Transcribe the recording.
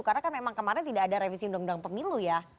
karena kan memang kemarin tidak ada revisi undang undang pemilu ya